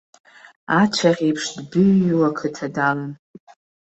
Ацәаӷь еиԥш дбыҩҩуа ақыҭа далан.